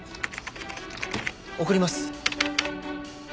送ります。